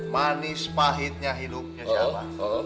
manis pahitnya hidupnya si abah